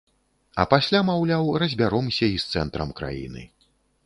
А пасля, маўляў, разбяромся і з цэнтрам краіны.